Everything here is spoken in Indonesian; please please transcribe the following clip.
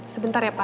sebentar ya pak